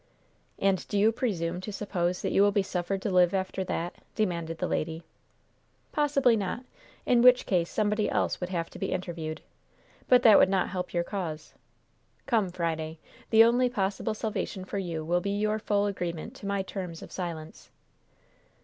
"And do you presume to suppose that you will be suffered to live after that?" demanded the lady. "Possibly not. In which case somebody else would have to be interviewed; but that would not help your cause. Come, Friday; the only possible salvation for you will be your full agreement to my terms of silence."